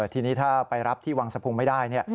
ทีนี้ถ้าไปรับที่วังสะพุงไม่ได้